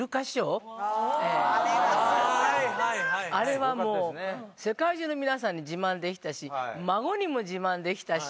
あれは世界中の皆さんに自慢できたし孫にも自慢できたし。